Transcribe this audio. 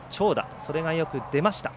それがよく出ました。